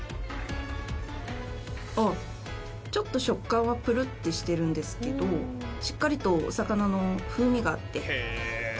あっちょっと食感はぷるってしてるんですけどしっかりとお魚の風味があってとてもおいしいです。